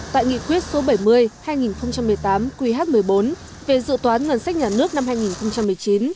tại nghị quyết số bảy mươi hai nghìn một mươi tám qh một mươi bốn về dự toán ngân sách nhà nước năm hai nghìn một mươi chín